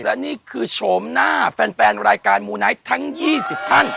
และนี่คือโฉมหน้าแฟนรายการมูไนท์ทั้ง๒๐ท่าน